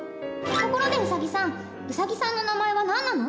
ところでウサギさんウサギさんの名前は何なの？